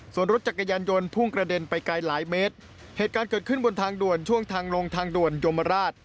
ส่วนรถจักรยานยนต์พุ่งกระเด็นไปไกลหลายเมตรเหตุการณ์เกิดขึ้นบนทางด่วนช่วงทางลงทางด่วนยมราช